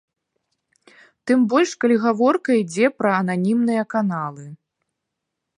Тым больш, калі гаворка ідзе пра ананімныя каналы.